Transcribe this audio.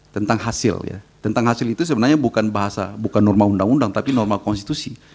tentang hasil ya tentang hasil itu sebenarnya bukan bahasa bukan norma undang undang tapi norma konstitusi